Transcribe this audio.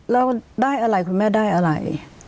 แล้วได้อะไรคุณแม่ได้อะไร